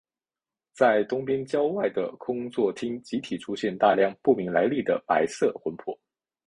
在东边郊外的空座町集体出现大量不明来历的白色魂魄。